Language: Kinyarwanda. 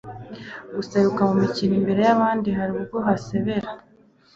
Guseruka mu mikino imbere y'abandi hari ubwo uhasebera